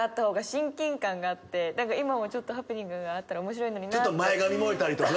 があって今もちょっとハプニングがあったら面白いのになって。